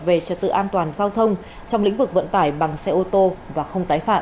về trật tự an toàn giao thông trong lĩnh vực vận tải bằng xe ô tô và không tái phạm